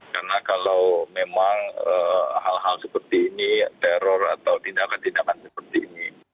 karena kalau memang hal hal seperti ini teror atau tindakan tindakan seperti ini